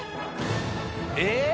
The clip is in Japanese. えっ？